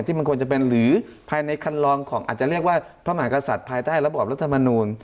มันควรจะเป็นหรือภายในคันลองของอาจจะเรียกว่าพระมหากษัตริย์ภายใต้ระบอบรัฐมนูล